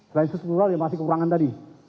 selain struktural yang masih kekurangan tadi